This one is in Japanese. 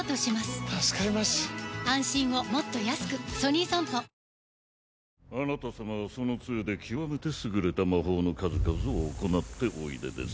ワイドも薄型あなた様はその杖で極めて優れた魔法の数々を行っておいでです